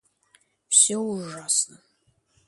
Всё ужасно